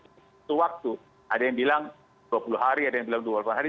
itu waktu ada yang bilang dua puluh hari ada yang bilang dua puluh delapan hari